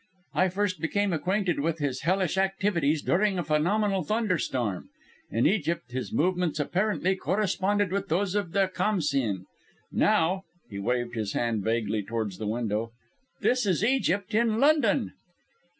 I first became acquainted with his hellish activities during a phenomenal thunderstorm. In Egypt his movements apparently corresponded with those of the Khamsîn. Now," he waved his hand vaguely towards the window "this is Egypt in London."